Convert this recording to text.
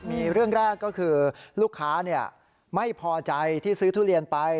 มีเรื่องแรกก็คือลูกค้าไม่พอใจที่ซื้อทุเรียนไป